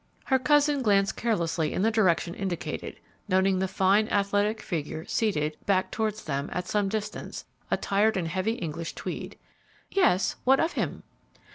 Her cousin glanced carelessly in the direction indicated, noting the fine, athletic figure seated, back towards them, at some distance, attired in heavy English tweed. "Yes. What of him?"